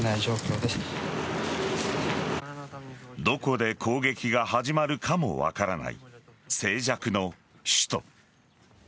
どこで攻撃が始まるかも分からない静寂の首都。